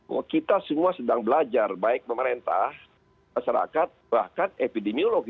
bahwa kita semua sedang belajar baik pemerintah masyarakat bahkan epidemiologi